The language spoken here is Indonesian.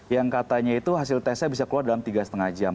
yang katanya itu hasil tesnya bisa keluar dalam tiga lima jam